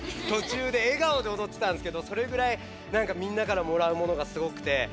とちゅうで笑顔でおどってたんですけどそれぐらいなんかみんなからもらうものがすごくて。